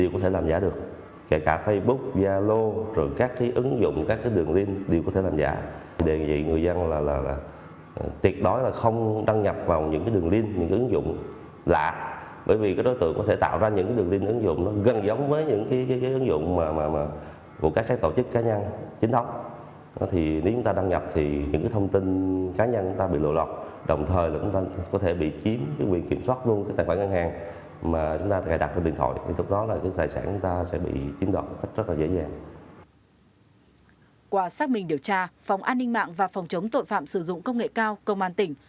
qua xác minh điều tra phòng an ninh mạng và phòng chống tội phạm sử dụng công nghệ cao công an tỉnh